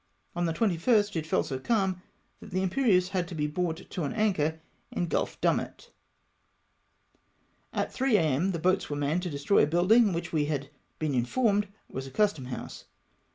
On the 21st it fell so calm, that the Imperieuse had to be brought to an anchor in Gulf Dumet. At 3 a.m. the boats were manned to destroy a building which we had been informed was a custom house.